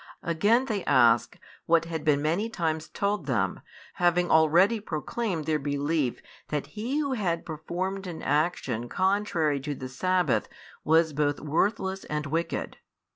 Again they ask what had been many times told them, having already proclaimed their belief that He Who had performed an action contrary to the sabbath was both worthless and wicked.